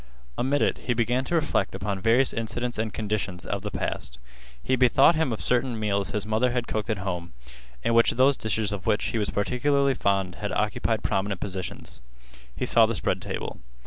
Amid it he began to reflect upon various incidents and conditions of the past. He bethought him of certain meals his mother had cooked at home, in which those dishes of which he was particularly fond had occupied prominent positions. He saw the spread table.